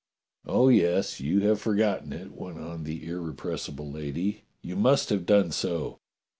*'0h, yes, you have forgotten it," went on the irre pressible lady. "You must have done so.